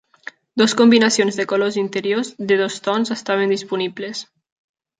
Dos combinacions de colors interiors de dos tons estaven disponibles.